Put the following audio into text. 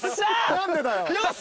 何でだよ